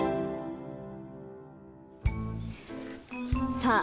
さあ